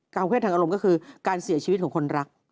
เพศทางอารมณ์ก็คือการเสียชีวิตของคนรัก